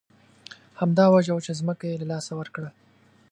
همدا وجه وه چې ځمکه یې له لاسه ورکړه.